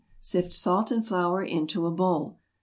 Sift salt and flour into a bowl.